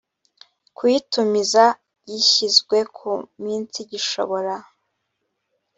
kuyitumiza gishyizwe ku minsi gishobora